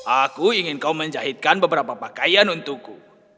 aku ingin kau menjahitkan beberapa pakaian untukku